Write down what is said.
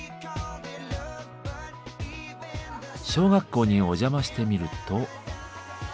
小学校にお邪魔してみると。